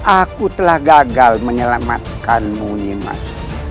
aku telah gagal menyelamatkanmu nimas